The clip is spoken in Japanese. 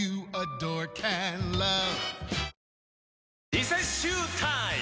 リセッシュータイム！